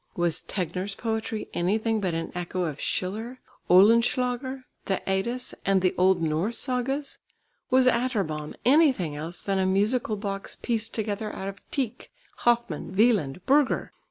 Was Tegner's poetry anything but an echo of Schiller, Oehlenschläger, the Eddas and the old Norse sagas? Was Atterbom anything else than a musical box pieced together out of Tieck, Hoffmann, Wieland, Burger?